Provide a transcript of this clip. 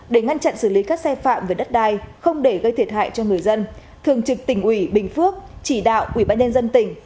để ngăn chặn xử lý các xe phạm về đất đai không để gây thiệt hại cho người dân thường trực tỉnh ủy bình phước chỉ đạo ủy ban nhân dân tỉnh